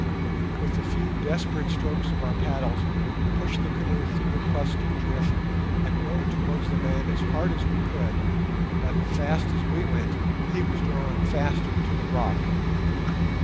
With a few desperate strokes of our paddles we pushed the canoe through the crust of drift and rowed towards the man as hard as we could, but, fast as we went, he was drawn faster to the rock.